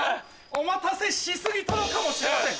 お待たせし過ぎたのかもしれません。